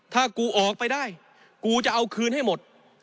ถ้ากูออกไปได้กูจะเอาคืนให้หมด